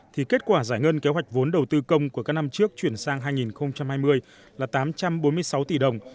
thì kết quả giải ngân kế hoạch vốn đầu tư công của các năm trước chuyển sang hai nghìn hai mươi là tám trăm bốn mươi sáu tỷ đồng